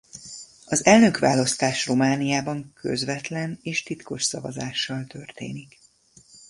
Az elnökválasztás Romániában közvetlen és titkos szavazással történik.